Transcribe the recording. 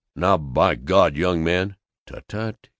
"Now, by God, young man " "Tut, tut!